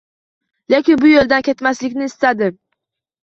Lekin bu yo’ldan ketmasligini istadim.